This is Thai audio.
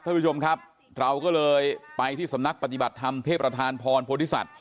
ท่านผู้ชมครับเราก็เลยไปที่สำนักปฏิบัติธรรมเทพธานพรโพธิสัตว